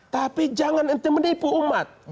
tapi jangan ente menipu umat